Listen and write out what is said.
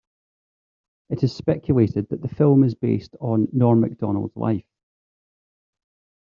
It is speculated that the film is based on Norm Macdonald's life.